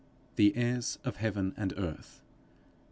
_THE HEIRS OF HEAVEN AND EARTH.